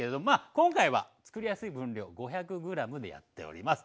今回はつくりやすい分量５００ｇでやっております。